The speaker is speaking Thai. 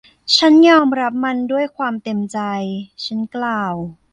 ฉันยอมรับมันด้วยความเต็มใจ ฉันกล่าว